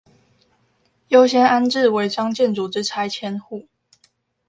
優先安置違章建築之拆遷戶